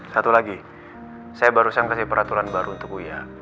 satu lagi saya barusan kasih peraturan baru untuk kuliah